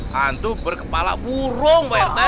hantu berkepala burung pak rt